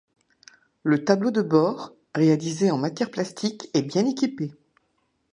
Le tableau de bord, réalisé en matière plastique est bien équipé.